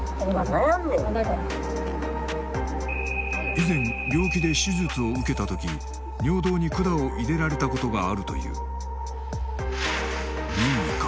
以前病気で手術を受けた時尿道に管を入れられたことがあるという任意か